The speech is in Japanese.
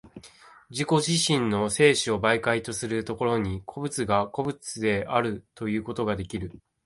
自己自身の生死を媒介とする所に、個物が個物であるということができる。